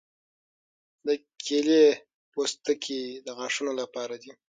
د کیلې پوستکي د غاښونو لپاره دي.